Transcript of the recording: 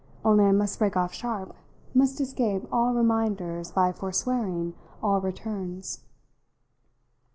Only I must break off sharp, must escape all reminders by forswearing all returns.